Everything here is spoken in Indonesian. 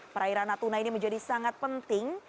perairan natuna ini menjadi sangat penting